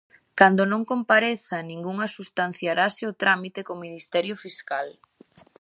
Cando non compareza ningunha substanciarase o trámite co Ministerio Fiscal.